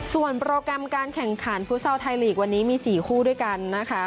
ส่วนโปรแกรมการแข่งขันฟุตซอลไทยลีกวันนี้มี๔คู่ด้วยกันนะคะ